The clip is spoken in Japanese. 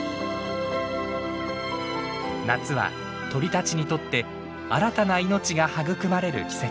夏は鳥たちにとって新たな命が育まれる季節。